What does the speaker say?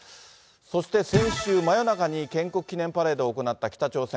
そして先週真夜中に、建国記念パレードを行った北朝鮮。